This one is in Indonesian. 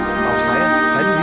tahu saya lainnya di sini